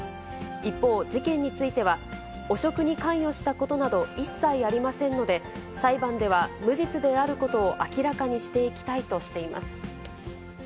一方、事件については、汚職に関与したことなど、一切ありませんので、裁判では無実であることを明らかにしていきたいとしています。